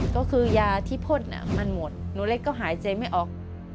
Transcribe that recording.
ก็คือยาที่พ่นมันหมดหนูเล็กก็หายใจไม่ออก